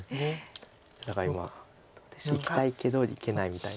だから今いきたいけどいけないみたいな。